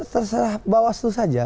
kami terserah bahwa aslu saja